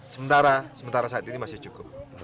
sementara sementara saat ini masih cukup